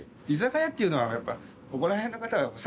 居酒屋っていうのはやっぱりここら辺の方は。